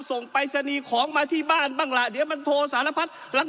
ส่งไปสนีของมาที่บ้านบ้างล่ะเดี๋ยวมันโทรสารพัฒน์